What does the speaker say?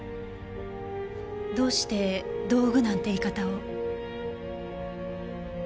どうして道具なんて言い方を？